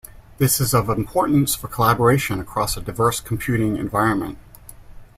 This is of importance for collaboration across a diverse computing environment.